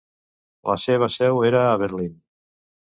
La seva seu era a Berlín.